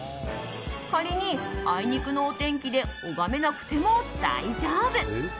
仮に、あいにくのお天気で拝めなくても大丈夫。